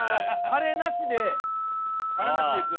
タレなしでいく。